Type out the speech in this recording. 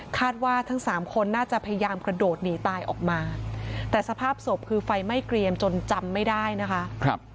ว่าทั้งสามคนน่าจะพยายามกระโดดหนีตายออกมาแต่สภาพศพคือไฟไหม้เกรียมจนจำไม่ได้นะคะ